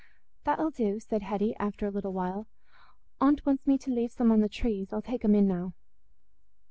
"That'll do," said Hetty, after a little while. "Aunt wants me to leave some on the trees. I'll take 'em in now."